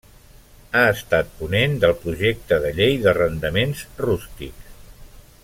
Ha estat ponent del projecte de Llei d'Arrendaments Rústics.